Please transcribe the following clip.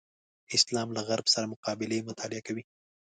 اسلام له غرب سره مقابلې مطالعه کوي.